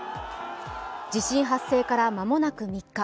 地震発生から間もなく３日。